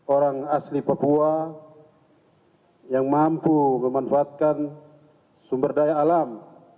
orang asli papua yang mampu memanfaatkan sumber daya alam